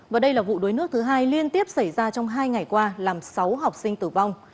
và đây là vụ đuối nước thứ hai liên tiếp xảy ra trong hai ngày qua làm sáu học sinh tử vong